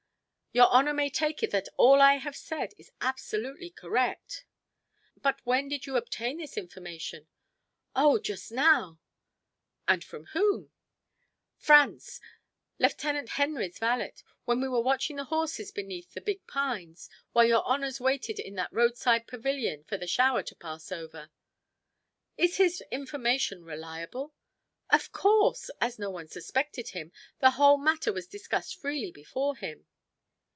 "Your honor may take it that all I have said is absolutely correct." "But when did you obtain this information?" "Oh, just now!" "And from whom?" "Franz, Lieutenant Henry's valet, when we were watching the horses beneath the big pines, while your honors waited in that roadside pavilion for the shower to pass over." "Is his information reliable?" "Of course! As no one suspected him, the whole matter was discussed freely before him."